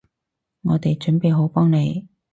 我哋準備好幫你